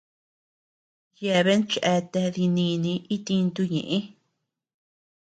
Yeabean cheate dininii itintu ñëʼe.